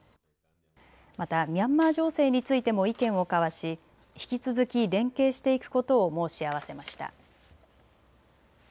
またミャンマー情勢についても意見を交わし引き続き連携していくことを申し合わせました。